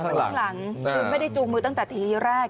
ถึงไม่ได้จุมือตั้งแต่ทีแรก